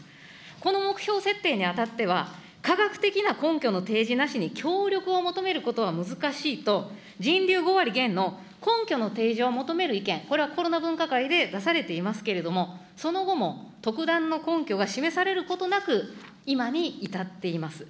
この目標設定に当たっては、科学的な根拠の提示なしに協力を求めることは難しいと、人流５割減の根拠の提示を求める意見、これはコロナ分科会で出されていますけれども、その後も特段の根拠が示されることなく、今に至っています。